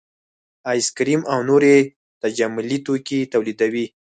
ایس کریم او نور تجملي توکي تولیدوي